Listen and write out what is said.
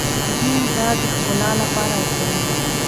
ځينې دا د ښکلا لپاره کوي.